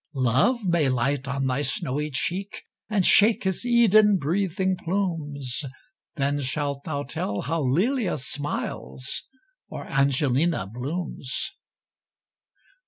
Love may light on thy snowy cheek, And shake his Eden breathing plumes; Then shalt thou tell how Lelia smiles, Or Angelina blooms.